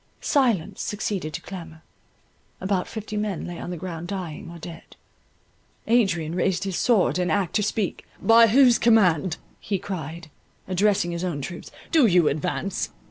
Silence succeeded to clamour; about fifty men lay on the ground dying or dead. Adrian raised his sword in act to speak: "By whose command," he cried, addressing his own troops, "do you advance?